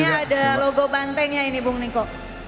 ini ada logo bantengnya ini bung niko